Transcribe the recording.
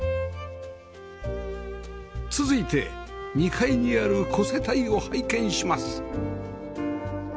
続いて２階にある子世帯を拝見します